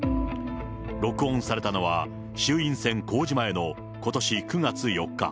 録音されたのは衆院選公示前のことし９月４日。